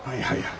はい。